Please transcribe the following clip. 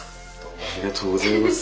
ありがとうございます。